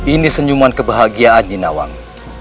ini senyuman kebahagiaan nyinawang